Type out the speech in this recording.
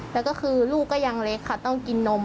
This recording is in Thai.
แล้วก็คือลูกก็ยังเล็กค่ะต้องกินนม